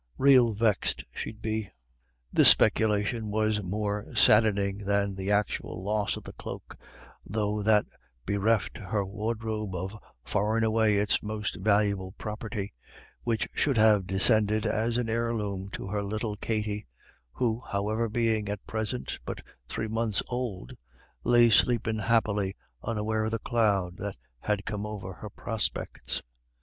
Rael vexed she'd be." This speculation was more saddening than the actual loss of the cloak, though that bereft her wardrobe of far and away its most valuable property, which should have descended as an heirloom to her little Katty, who, however, being at present but three months old, lay sleeping happily unaware of the cloud that had come over her prospects.